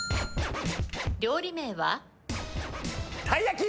料理名は？たい焼き！